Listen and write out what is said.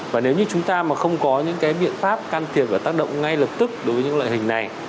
và nếu như chúng ta mà không có những cái biện pháp can thiệp và tác động ngay lập tức đối với những loại hình này